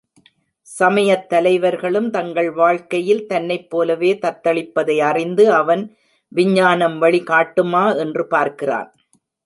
சமயத் தலைவர்களும் தங்கள் வாழ்க்கையில் தன்னைப் போலவே தத்தளிப்பதை அறிந்து, அவன் விஞ்ஞானம் வழி காட்டுமா என்று பார்க்கிறான்.